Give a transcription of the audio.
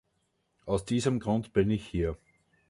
Aus diesem Grund bin ich hier.